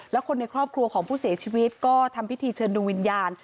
แล้วคนในครอบครัวของผู้เสียชีวิตก็ทำพิธีเชิญดวงวิญญาณ